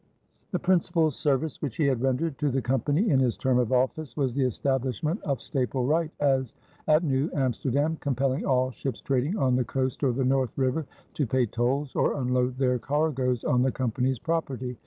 The principal service which he had rendered to the Company in his term of office was the establishment of "staple right" at New Amsterdam, compelling all ships trading on the coast or the North River to pay tolls or unload their cargoes on the Company's property.